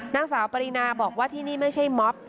นางสาวปรินาบอกว่าที่นี่ไม่ใช่ม็อบ